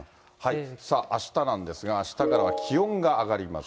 あしたなんですが、あしたから気温が上がります。